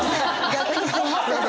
逆にすみません！